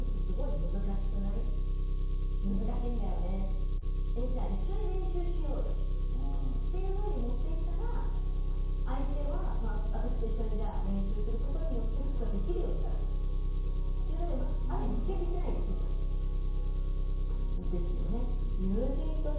「むずかしいんだよね」。っていうふうに持っていったら相手は私と一緒にじゃあ練習することによってそこができるようになるということである意味指摘しないですむんですよね。